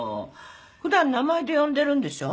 普段名前で呼んでるんでしょ？